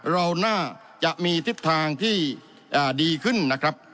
เราน่าจะมีทิศทางที่ดีขึ้นนะครับ